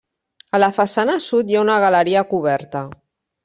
A la façana sud hi ha una galeria coberta.